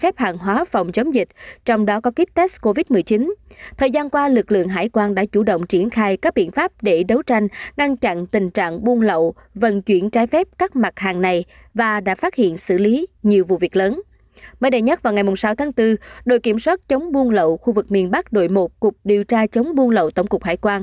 lãnh đạo cục điều tra chống buôn lậu tổng cục hải quan cho hay